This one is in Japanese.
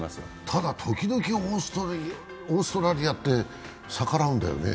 ただ時々オーストラリアってさからうんだよね。